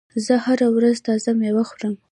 زه هره ورځ تازه مېوه خورم.